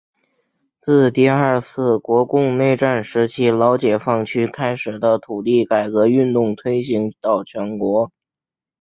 自第二次国共内战时期老解放区开始的土地改革运动推行到全国。